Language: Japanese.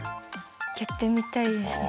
やってみたいですね。